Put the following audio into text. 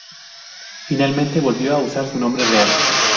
Finalmente volvió a usar su nombre real.